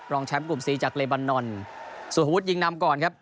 แชมป์กลุ่มซีจากเลบันนอนสุภวุฒิยิงนำก่อนครับ